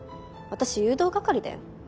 私誘導係だよ。